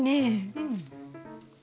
うん。